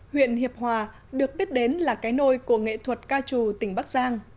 huyện hiệp hòa được biết đến là cái nôi của nghệ thuật ca trù tỉnh bắc giang